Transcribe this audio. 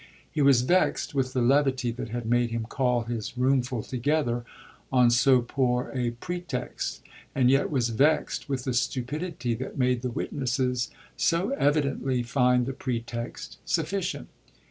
He was vexed with the levity that had made him call his roomful together on so poor a pretext, and yet was vexed with the stupidity that made the witnesses so evidently find the pretext sufficient.